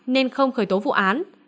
nên không khởi tố vụ án